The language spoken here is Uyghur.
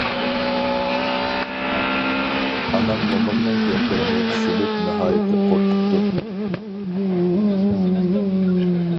ئانام مومامنىڭ گەپلىرىنى چۈشىنىپ ناھايىتى قورقۇپتۇ.